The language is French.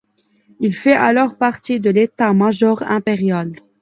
Il fait alors partie de l'état-major impérial.